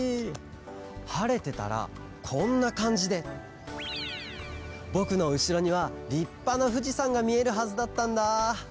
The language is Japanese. はれてたらこんなかんじでぼくのうしろにはりっぱなふじさんがみえるはずだったんだ。